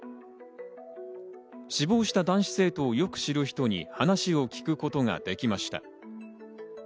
死亡した男子生徒をよく知る人に話を聞くことができました。